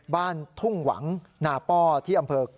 บ้านทุ่งหวังนาป้อที่อำเภอ